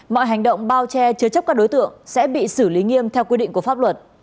mọi hành động bao che chứa chấp các đối tượng sẽ bị xử lý nghiêm theo quy định của pháp luật